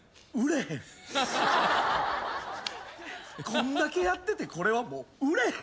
こんだけやっててこれはもう売れん。